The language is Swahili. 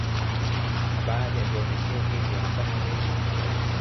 Na baadhi ya vyuo vikuu hivyo ni kama vile